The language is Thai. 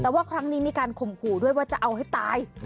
แต่ว่าครั้งนี้มีการข่มขู่ด้วยว่าจะเอาให้ตาย